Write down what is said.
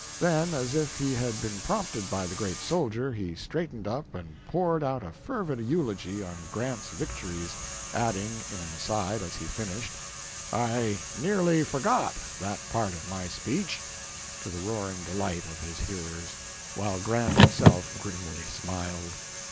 Then, as if he had been prompted by the great soldier, he straightened up and poured out a fervid eulogy on Grant's victories, adding, in an aside, as he finished, "I nearly forgot that part of my speech," to the roaring delight of his hearers, while Grant himself grimly smiled.